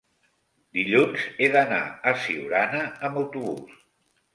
dilluns he d'anar a Siurana amb autobús.